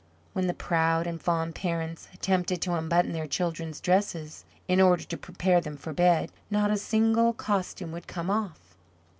When the proud and fond parents attempted to unbutton their children's dresses, in order to prepare them for bed, not a single costume would come off.